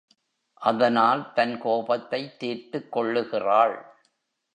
அதனால் தன் கோபத்தைத் தீர்த்துக் கொள்ளுகிறாள்.